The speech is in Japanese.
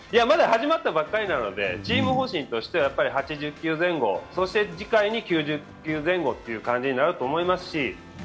まだ始まったばかりなのでチーム方針としてはやはり８９前後、そして次回に９０球前後ということになりますし。